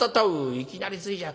いきなりついじゃ。